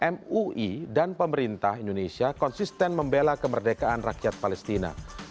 mui dan pemerintah indonesia konsisten membela kemerdekaan rakyat palestina